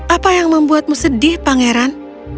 apa yang membuatmu sedih pangeran